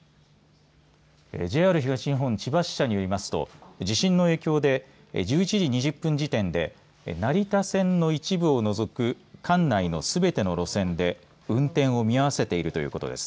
ＪＲ東日本千葉支社によりますと地震の影響で１１時２０分時点で成田線の一部を除く管内のすべての路線で運転を見合わせているということです。